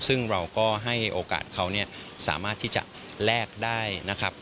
ซึ่งเราก็ให้โอกาสเขาสามารถที่จะแลกได้นะครับ